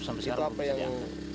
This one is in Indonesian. sampai sekarang belum bisa diangkat